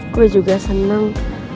gue juga senang